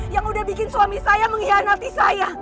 yang udah bikin suami saya mengkhianati saya